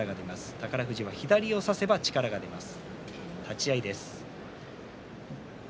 宝富士は左を差せば力が出ます。